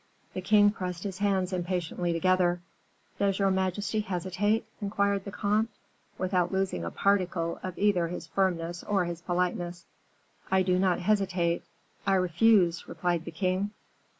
The king pressed his hands impatiently together. "Does your majesty hesitate?" inquired the comte, without losing a particle of either his firmness of his politeness. "I do not hesitate I refuse," replied the king.